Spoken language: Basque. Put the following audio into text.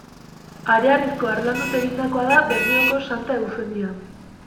Hareharrizko harlanduz egindakoa da Bermeoko Santa Eufemia.